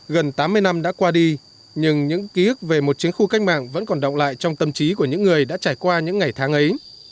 gần tám mươi năm đã qua đi nhưng những ký ức về một chiến khu cách mạng vẫn còn động lại trong tâm trí của những người đã trải qua những ngày tháng ấy